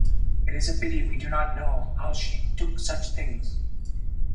It is a pity we do not know how she took such things.